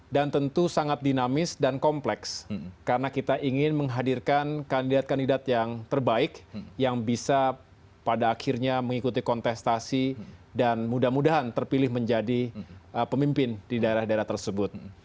dan tentu sangat dinamis dan kompleks karena kita ingin menghadirkan kandidat kandidat yang terbaik yang bisa pada akhirnya mengikuti kontestasi dan mudah mudahan terpilih menjadi pemimpin di daerah daerah tersebut